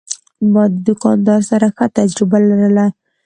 ما د دوکاندار سره ښه تجربه لرله.